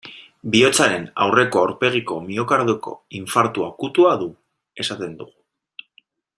Bihotzaren aurreko aurpegiko miokardioko infartu akutua du, esaten dugu.